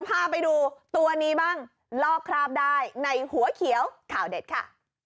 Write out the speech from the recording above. พาไปดูตัวนี้บ้างลอกคราบได้ในหัวเขียวข่าวเด็ดค่ะ